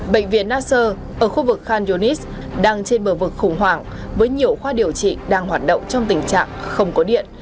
bệnh viện nasser ở khu vực khan yunis đang trên bờ vực khủng hoảng với nhiều khoa điều trị đang hoạt động trong tình trạng không có điện